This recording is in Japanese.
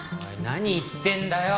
何言ってんだよ！